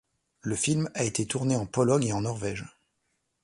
Le film a été tourné en Pologne et en Norvège.